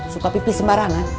suka pipih sembarangan